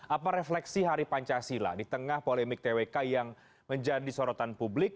apa refleksi hari pancasila di tengah polemik twk yang menjadi sorotan publik